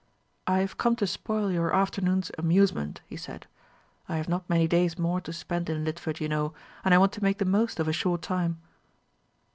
"I have come to spoil your afternoon's amusement," he said. "I have not many days more to spend in Lidford, you know, and I want to make the most of a short time."